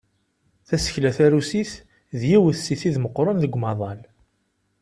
Tasekla tarusit d yiwet si tid meqqren deg umaḍal.